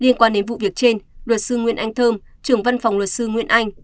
liên quan đến vụ việc trên luật sư nguyễn anh thơm trưởng văn phòng luật sư nguyễn anh